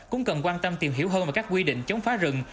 cũng cần quan tâm tìm hiểu hơn về các quy định chống phá rừng